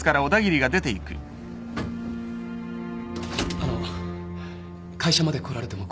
あの会社まで来られても困ります。